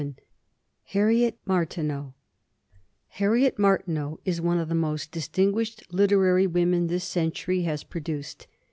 VII HARRIET MARTINEAU HARRIET MARTINEAU is one of the most distinguished literary women this century has produced.